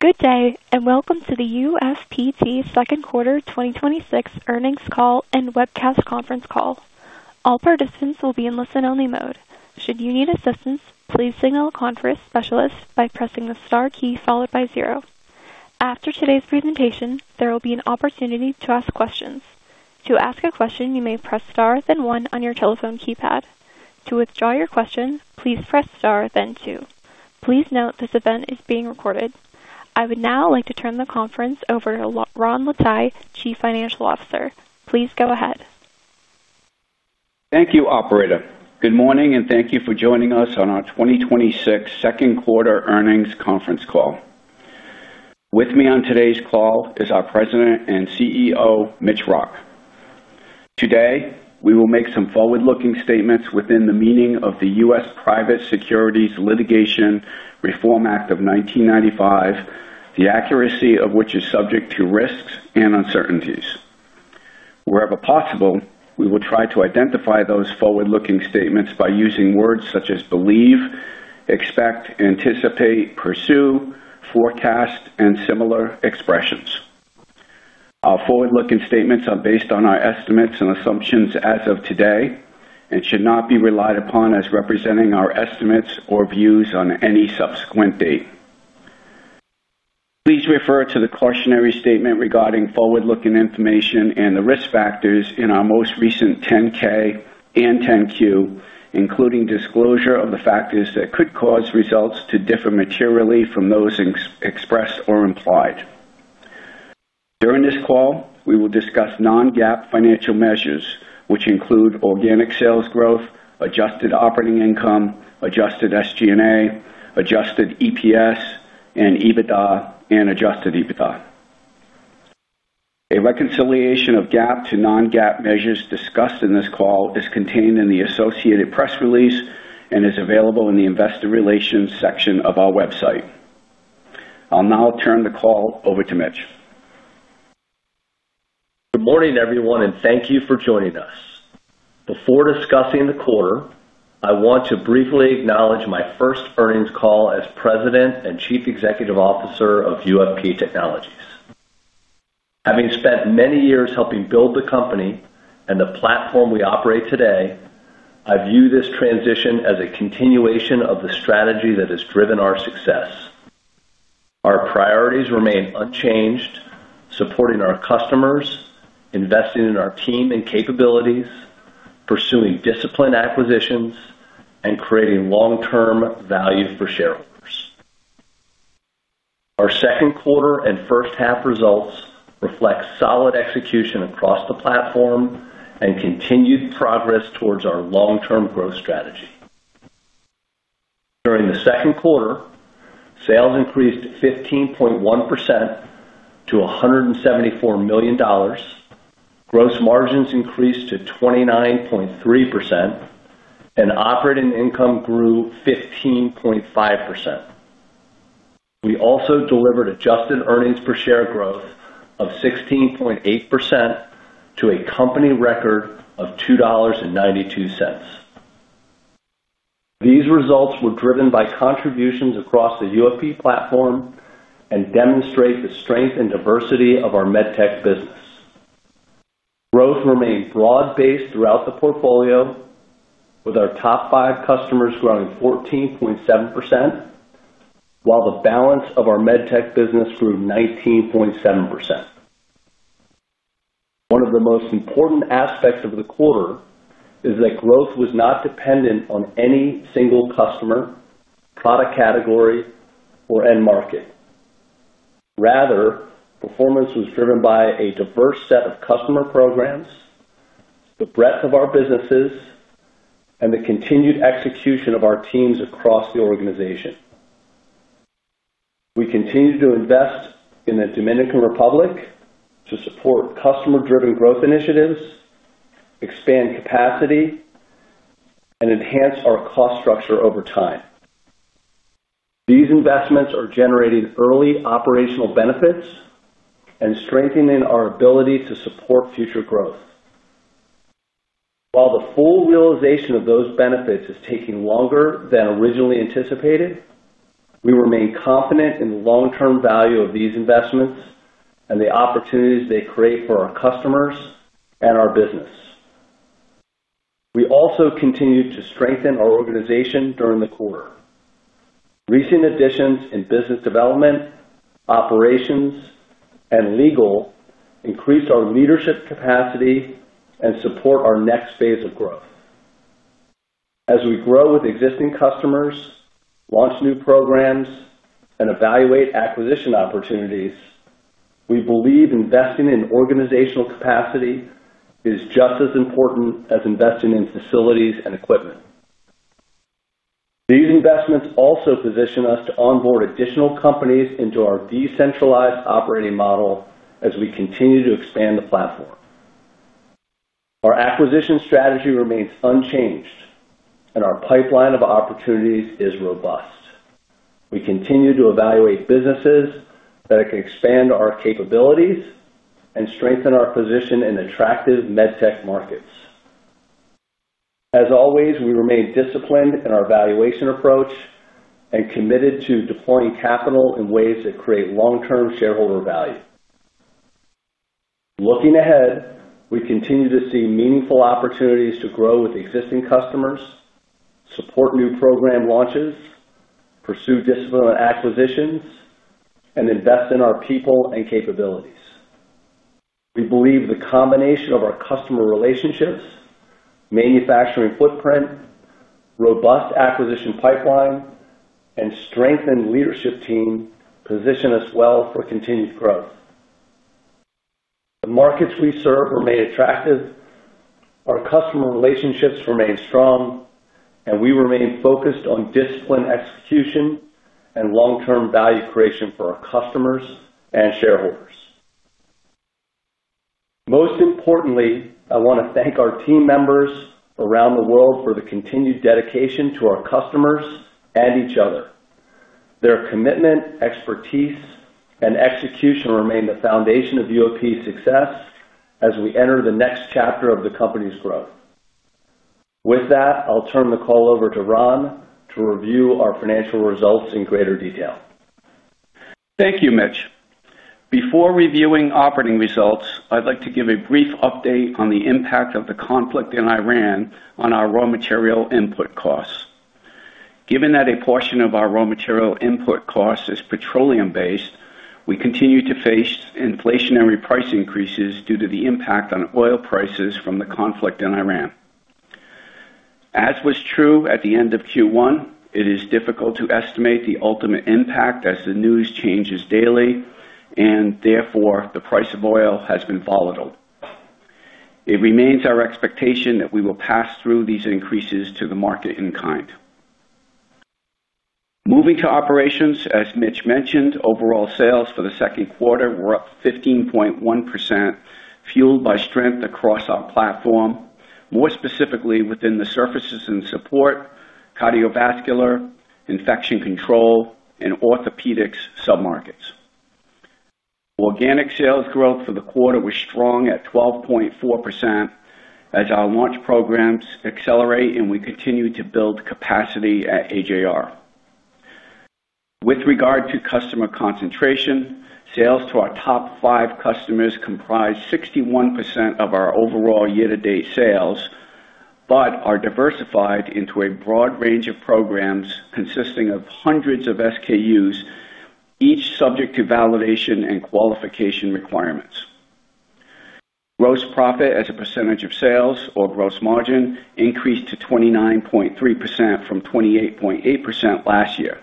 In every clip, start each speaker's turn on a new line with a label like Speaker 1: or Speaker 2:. Speaker 1: Good day, and welcome to the UFPT second quarter 2026 earnings call and webcast conference call. All participants will be in listen-only mode. Should you need assistance, please signal a conference specialist by pressing the star key followed by zero. After today's presentation, there will be an opportunity to ask questions. To ask a question, you may press star, then one on your telephone keypad. To withdraw your question, please press star, then two. Please note, this event is being recorded. I would now like to turn the conference over to Ron Lataille, Chief Financial Officer. Please go ahead.
Speaker 2: Thank you, operator. Good morning, and thank you for joining us on our 2026 second quarter earnings conference call. With me on today's call is our President and CEO, Mitch Rock. Today, we will make some forward-looking statements within the meaning of the Private Securities Litigation Reform Act of 1995, the accuracy of which is subject to risks and uncertainties. Wherever possible, we will try to identify those forward-looking statements by using words such as believe, expect, anticipate, pursue, forecast, and similar expressions. Our forward-looking statements are based on our estimates and assumptions as of today and should not be relied upon as representing our estimates or views on any subsequent date. Please refer to the cautionary statement regarding forward-looking information and the risk factors in our most recent 10-K and 10-Q, including disclosure of the factors that could cause results to differ materially from those expressed or implied. During this call, we will discuss non-GAAP financial measures, which include organic sales growth, adjusted operating income, adjusted SG&A, adjusted EPS and EBITDA, and adjusted EBITDA. A reconciliation of GAAP to non-GAAP measures discussed in this call is contained in the associated press release and is available in the investor relations section of our website. I'll now turn the call over to Mitch.
Speaker 3: Good morning, everyone, and thank you for joining us. Before discussing the quarter, I want to briefly acknowledge my first earnings call as President and Chief Executive Officer of UFP Technologies. Having spent many years helping build the company and the platform we operate today, I view this transition as a continuation of the strategy that has driven our success. Our priorities remain unchanged, supporting our customers, investing in our team and capabilities, pursuing disciplined acquisitions, and creating long-term value for shareholders. Our second quarter and first half results reflect solid execution across the platform and continued progress towards our long-term growth strategy. During the second quarter, sales increased 15.1% to $174 million. Gross margins increased to 29.3%, and operating income grew 15.5%. We also delivered adjusted earnings per share growth of 16.8% to a company record of $2.92. These results were driven by contributions across the UFP platform and demonstrate the strength and diversity of our MedTech business. Growth remained broad-based throughout the portfolio, with our top five customers growing 14.7%, while the balance of our MedTech business grew 19.7%. One of the most important aspects of the quarter is that growth was not dependent on any single customer, product category or end market. Rather, performance was driven by a diverse set of customer programs, the breadth of our businesses, and the continued execution of our teams across the organization. We continue to invest in the Dominican Republic to support customer-driven growth initiatives, expand capacity, and enhance our cOst structure over time. These investments are generating early operational benefits and strengthening our ability to support future growth. While the full realization of those benefits is taking longer than originally anticipated, we remain confident in the long-term value of these investments and the opportunities they create for our customers and our business. We also continued to strengthen our organization during the quarter. Recent additions in business development, operations, and legal increase our leadership capacity and support our next phase of growth. As we grow with existing customers, launch new programs, and evaluate acquisition opportunities, we believe investing in organizational capacity is just as important as investing in facilities and equipment. These investments also position us to onboard additional companies into our decentralized operating model as we continue to expand the platform. Our acquisition strategy remains unchanged and our pipeline of opportunities is robust. We continue to evaluate businesses that can expand our capabilities and strengthen our position in attractive MedTech markets. Always, we remain disciplined in our valuation approach and committed to deploying capital in ways that create long-term shareholder value. Looking ahead, we continue to see meaningful opportunities to grow with existing customers, support new program launches, pursue disciplined acquisitions, and invest in our people and capabilities. We believe the combination of our customer relationships, manufacturing footprint, robust acquisition pipeline, and strengthened leadership team position us well for continued growth. The markets we serve remain attractive, our customer relationships remain strong, and we remain focused on disciplined execution and long-term value creation for our customers and shareholders. Most importantly, I want to thank our team members around the world for the continued dedication to our customers and each other. Their commitment, expertise, and execution remain the foundation of UFP's success as we enter the next chapter of the company's growth. With that, I'll turn the call over to Ron to review our financial results in greater detail.
Speaker 2: Thank you, Mitch. Before reviewing operating results, I'd like to give a brief update on the impact of the conflict in Iran on our raw material input costs. Given that a portion of our raw material input cost is petroleum-based, we continue to face inflationary price increases due to the impact on oil prices from the conflict in Iran. As was true at the end of Q1, it is difficult to estimate the ultimate impact as the news changes daily, and therefore, the price of oil has been volatile. It remains our expectation that we will pass through these increases to the market in kind. Moving to operations, as Mitch mentioned, overall sales for the second quarter were up 15.1%, fueled by strength across our platform, more specifically within the surfaces and support, cardiovascular, infection control, and orthopedics sub-markets. Organic sales growth for the quarter was strong at 12.4% as our launch programs accelerate, and we continue to build capacity at AJR. With regard to customer concentration, sales to our top five customers comprise 61% of our overall year-to-date sales, but are diversified into a broad range of programs consisting of hundreds of SKUs, each subject to validation and qualification requirements. Gross profit as a percentage of sales or gross margin increased to 29.3% from 28.8% last year.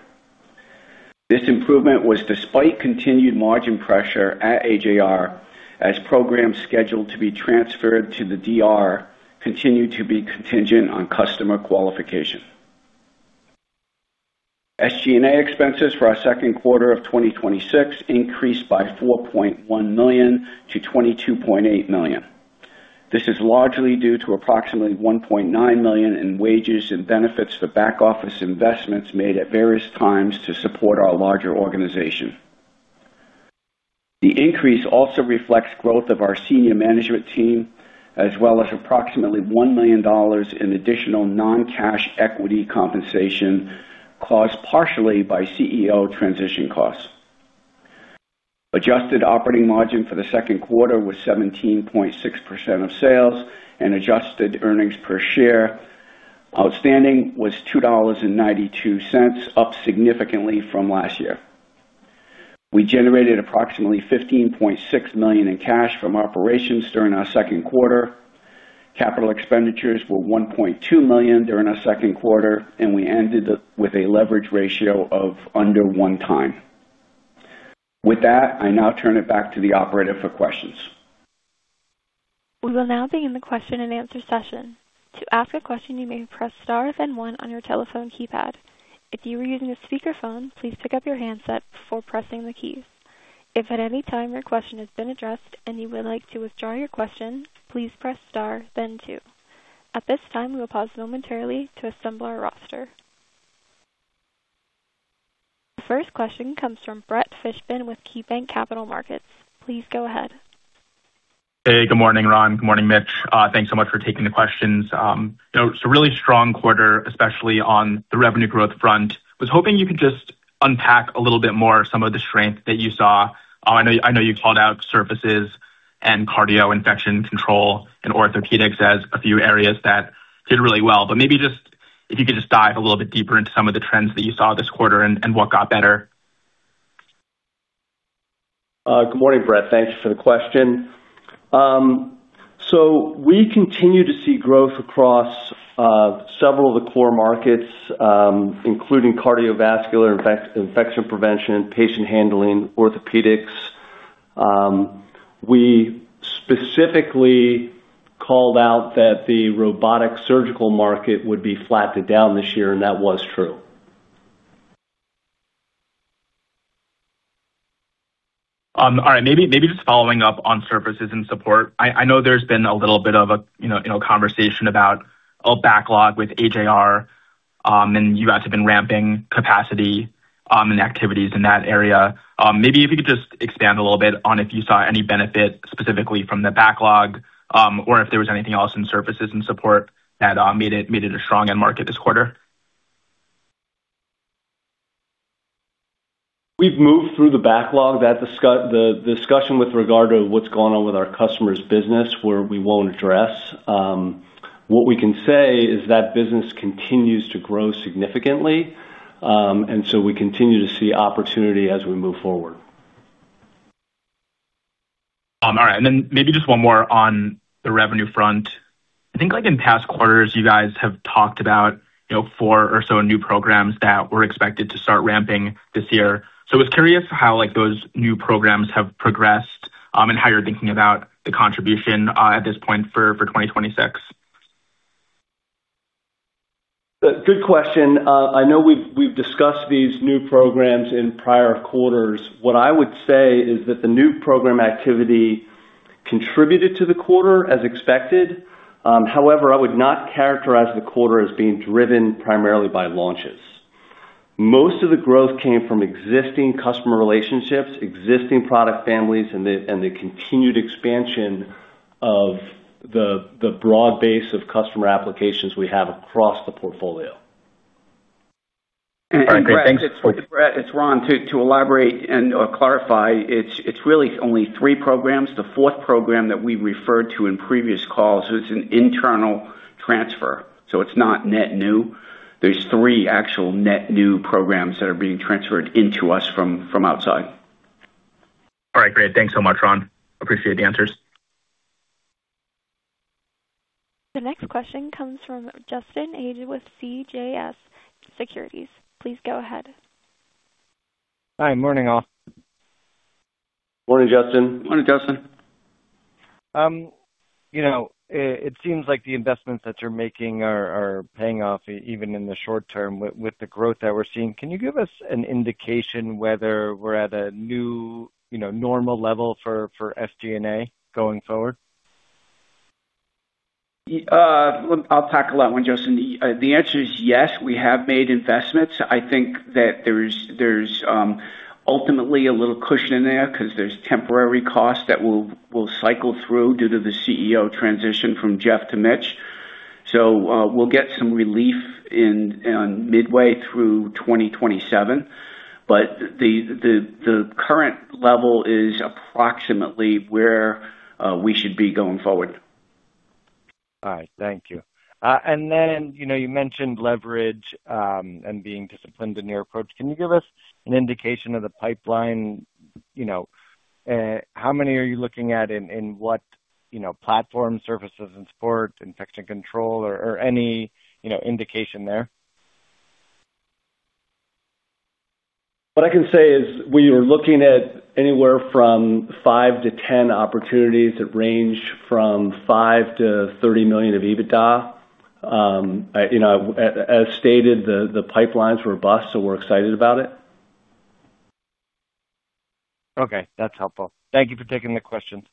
Speaker 2: This improvement was despite continued margin pressure at AJR, as programs scheduled to be transferred to the DR continued to be contingent on customer qualification. SG&A expenses for our second quarter of 2026 increased by $4.1 million to $22.8 million. This is largely due to approximately $1.9 million in wages and benefits for back-office investments made at various times to support our larger organization. The increase also reflects growth of our senior management team, as well as approximately $1 million in additional non-cash equity compensation caused partially by CEO transition costs. Adjusted operating margin for the second quarter was 17.6% of sales, and adjusted earnings per share. Outstanding was $2.92, up significantly from last year. We generated approximately $15.6 million in cash from operations during our second quarter. Capital expenditures were $1.2 million during our second quarter, and we ended with a leverage ratio of under 1x. With that, I now turn it back to the operator for questions.
Speaker 1: We will now begin the question-and-answer session. To ask a question, you may press star then one on your telephone keypad. If you are using a speakerphone, please pick up your handset before pressing the keys. If at any time your question has been addressed and you would like to withdraw your question, please press star then two. At this time, we will pause momentarily to assemble our roster. The first question comes from Brett Fishbin with KeyBanc Capital Markets. Please go ahead.
Speaker 4: Good morning, Ron. Good morning, Mitch. Thanks so much for taking the questions. Really strong quarter, especially on the revenue growth front. Was hoping you could just unpack a little bit more some of the strength that you saw. I know you called out surfaces and cardio, infection control and orthopedics as a few areas that did really well. Maybe if you could just dive a little bit deeper into some of the trends that you saw this quarter and what got better.
Speaker 3: Good morning, Brett. Thanks for the question. We continue to see growth across several of the core markets, including cardiovascular, infection prevention, patient handling, orthopedics. We specifically called out that the robotic surgical market would be flat to down this year. That was true.
Speaker 4: All right. Maybe just following up on surfaces and support. I know there's been a little bit of a conversation about a backlog with AJR. You guys have been ramping capacity and activities in that area. Maybe if you could just expand a little bit on if you saw any benefit specifically from the backlog, or if there was anything else in surfaces and support that made it a strong end market this quarter.
Speaker 3: We've moved through the backlog. The discussion with regard to what's going on with our customer's business, we won't address. What we can say is that business continues to grow significantly. We continue to see opportunity as we move forward.
Speaker 4: Then maybe just one more on the revenue front. I think in past quarters, you guys have talked about four or so new programs that were expected to start ramping this year. So I was curious how those new programs have progressed and how you are thinking about the contribution at this point for 2026.
Speaker 3: Good question. I know we have discussed these new programs in prior quarters. What I would say is that the new program activity contributed to the quarter as expected. However, I would not characterize the quarter as being driven primarily by launches. Most of the growth came from existing customer relationships, existing product families, and the continued expansion of the broad base of customer applications we have across the portfolio.
Speaker 4: All right. Great. Thanks.
Speaker 2: Brett, it is Ron. To elaborate and clarify, it is really only three programs. The fourth program that we referred to in previous calls is an internal transfer, so it is not net new. There is three actual net new programs that are being transferred into us from outside.
Speaker 4: All right. Great. Thanks so much, Ron. Appreciate the answers.
Speaker 1: The next question comes from Justin Ages with CJS Securities. Please go ahead.
Speaker 5: Hi. Morning, all.
Speaker 3: Morning, Justin.
Speaker 2: Morning, Justin.
Speaker 5: It seems like the investments that you're making are paying off even in the short-term with the growth that we're seeing. Can you give us an indication whether we're at a new normal level for SG&A going forward?
Speaker 2: I'll tackle that one, Justin. The answer is yes, we have made investments. I think that there's ultimately a little cushion in there because there's temporary costs that we'll cycle through due to the CEO transition from Jeff to Mitch. We'll get some relief in midway through 2027. The current level is approximately where we should be going forward.
Speaker 5: All right. Thank you. Then, you mentioned leverage and being disciplined in your approach. Can you give us an indication of the pipeline? How many are you looking at in what platform surfaces and support, infection control, or any indication there?
Speaker 3: What I can say is we are looking at anywhere from five to 10 opportunities that range from $5 million-$30 million of EBITDA. As stated, the pipeline's robust, so we're excited about it.
Speaker 5: Okay. That's helpful. Thank you for taking the questions.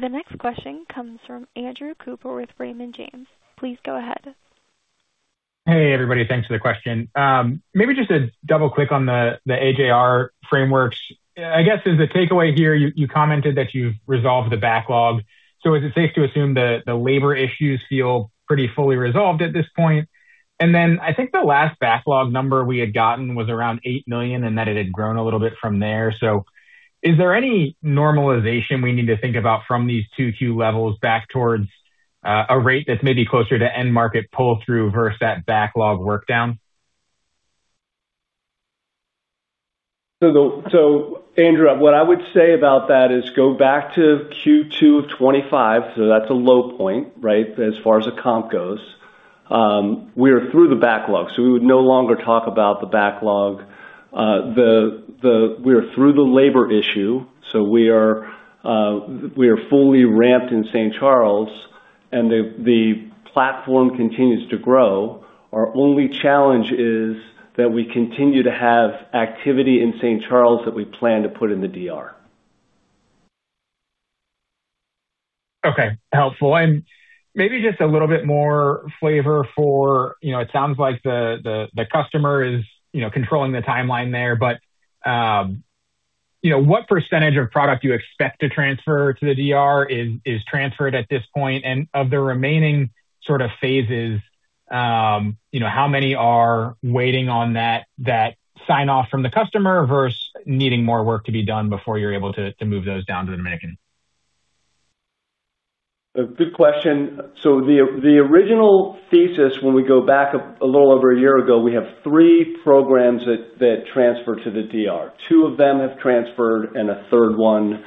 Speaker 1: The next question comes from Andrew Cooper with Raymond James. Please go ahead.
Speaker 6: Hey, everybody. Thanks for the question. Maybe just a double-click on the AJR frameworks. I guess as a takeaway here, you commented that you've resolved the backlog. Is it safe to assume the labor issues feel pretty fully resolved at this point? I think the last backlog number we had gotten was around $8 million, and that it had grown a little bit from there. Is there any normalization we need to think about from these 2Q levels back towards a rate that's maybe closer to end market pull-through versus that backlog work down?
Speaker 3: Andrew, what I would say about that is go back to Q2 of 2025. That's a low point, right? As far as a comp goes. We are through the backlog, we would no longer talk about the backlog. We are through the labor issue, we are fully ramped in St. Charles, and the platform continues to grow. Our only challenge is that we continue to have activity in St. Charles that we plan to put in the DR.
Speaker 6: Okay. Helpful. Maybe just a little bit more flavor for, it sounds like the customer is controlling the timeline there. What percentage of product do you expect to transfer to the DR is transferred at this point? Of the remaining phases, how many are waiting on that sign-off from the customer versus needing more work to be done before you're able to move those down to the Dominican?
Speaker 3: A good question. The original thesis, when we go back a little over a year ago, we have three programs that transfer to the DR. Two of them have transferred, and a third one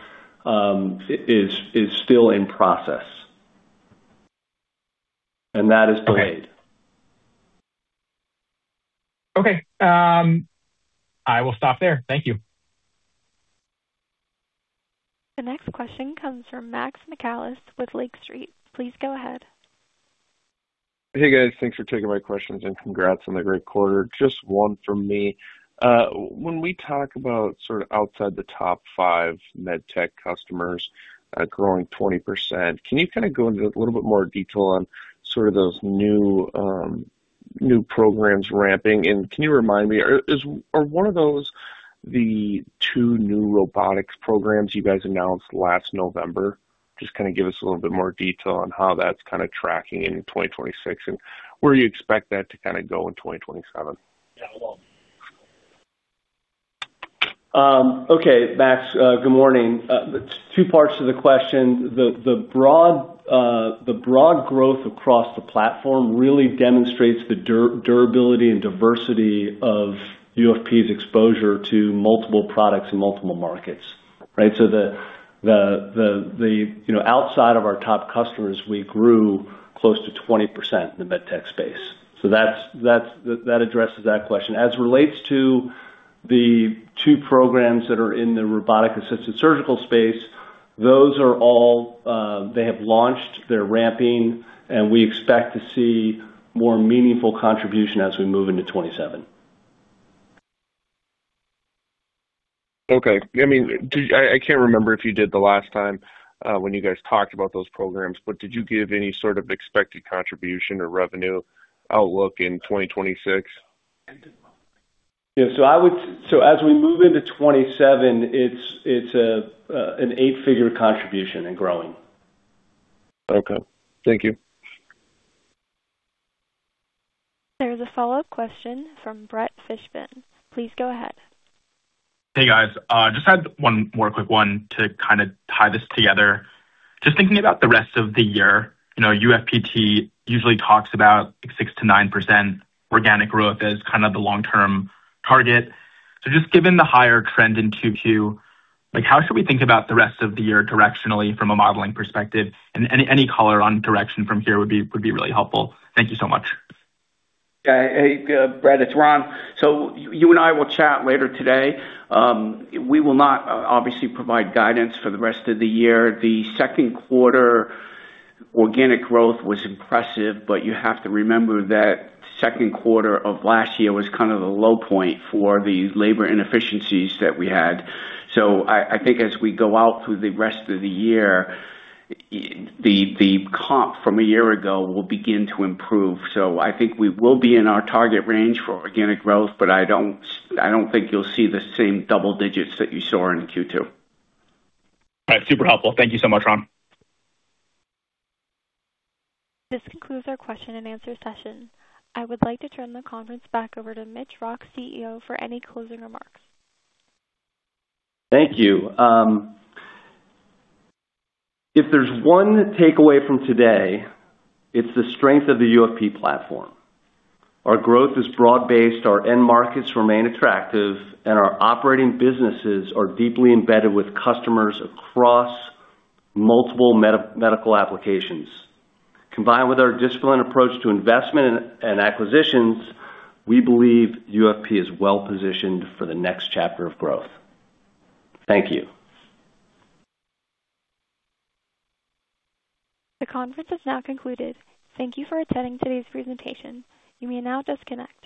Speaker 3: is still in process. That is planned.
Speaker 6: Okay. I will stop there. Thank you.
Speaker 1: The next question comes from Max Michaelis with Lake Street. Please go ahead.
Speaker 7: Hey, guys. Thanks for taking my questions, and congrats on the great quarter. Just one from me. When we talk about outside the top five MedTech customers growing 20%, can you go into a little bit more detail on those new programs ramping. Can you remind me, are one of those the two new robotics programs you guys announced last November? Just give us a little bit more detail on how that's tracking into 2026 and where you expect that to go in 2027.
Speaker 3: Yeah. Well. Okay, Max. Good morning. Two parts to the question. The broad growth across the platform really demonstrates the durability and diversity of UFP's exposure to multiple products in multiple markets, right? Outside of our top customers, we grew close to 20% in the MedTech space. That addresses that question. As relates to the two programs that are in the robotic-assisted surgical space, they have launched, they're ramping, and we expect to see more meaningful contribution as we move into 2027.
Speaker 7: Okay. I can't remember if you did the last time when you guys talked about those programs, but did you give any sort of expected contribution or revenue outlook in 2026?
Speaker 3: Yeah. As we move into 2027, it's an eight-figure contribution and growing.
Speaker 7: Okay. Thank you.
Speaker 1: There's a follow-up question from Brett Fishbin. Please go ahead.
Speaker 4: Hey, guys. Just had one more quick one to kind of tie this together. Just thinking about the rest of the year, UFPT usually talks about 6%-9% organic growth as the long-term target. Just given the higher trend in Q2, how should we think about the rest of the year directionally from a modeling perspective? Any color on direction from here would be really helpful. Thank you so much.
Speaker 2: Hey, Brett, it's Ron. You and I will chat later today. We will not, obviously, provide guidance for the rest of the year. The second quarter organic growth was impressive, but you have to remember that second quarter of last year was kind of a low point for the labor inefficiencies that we had. I think as we go out through the rest of the year, the comp from a year ago will begin to improve. I think we will be in our target range for organic growth, but I don't think you'll see the same double digits that you saw in Q2.
Speaker 4: All right. Super helpful. Thank you so much, Ron.
Speaker 1: This concludes our question-and-answer session. I would like to turn the conference back over to Mitch Rock, CEO, for any closing remarks.
Speaker 3: Thank you. If there's one takeaway from today, it's the strength of the UFP platform. Our growth is broad-based, our end markets remain attractive, and our operating businesses are deeply embedded with customers across multiple medical applications. Combined with our disciplined approach to investment and acquisitions, we believe UFP is well-positioned for the next chapter of growth. Thank you.
Speaker 1: The conference has now concluded. Thank you for attending today's presentation. You may now disconnect.